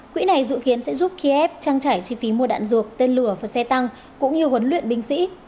quỹ này dự kiến sẽ giúp kiev trang trải chi phí mua đạn ruột tên lửa và xe tăng cũng như huấn luyện binh sĩ